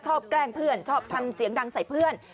แกล้งเพื่อนชอบทำเสียงดังใส่เพื่อน